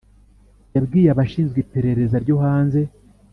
Yabwiye abashinzwe iperereza ryo hanze